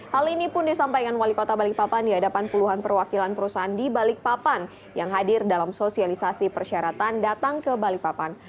hal ini pun disampaikan wali kota balikpapan di hadapan puluhan perwakilan perusahaan di balikpapan yang hadir dalam sosialisasi persyaratan datang ke balikpapan